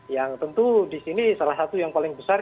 yang tentu disini salah satu yang paling besar